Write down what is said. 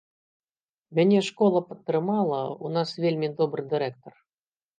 Мяне школа падтрымала, у нас вельмі добры дырэктар.